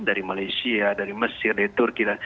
dari malaysia dari mesir dari turki dan